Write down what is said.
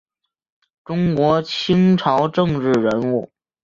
中国清朝政治人物。